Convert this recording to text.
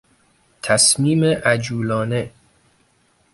تصمیم عجولانه